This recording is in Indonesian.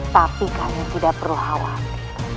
tapi kami tidak perlu khawatir